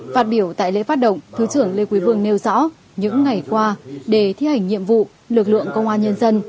phát biểu tại lễ phát động thứ trưởng lê quý vương nêu rõ những ngày qua để thi hành nhiệm vụ lực lượng công an nhân dân